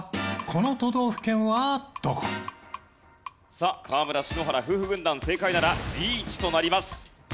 さあ河村＆篠原夫婦軍団正解ならリーチとなります。